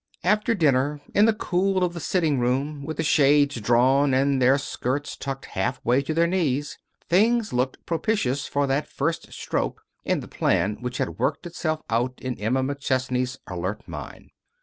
After dinner, in the cool of the sitting room, with the shades drawn, and their skirts tucked halfway to their knees, things looked propitious for that first stroke in the plan which had worked itself out in Emma McChesney's alert mind.